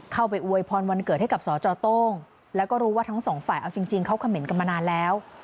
อวยพรวันเกิดให้กับสจโต้งแล้วก็รู้ว่าทั้งสองฝ่ายเอาจริงเขาเขมรกันมานานแล้ว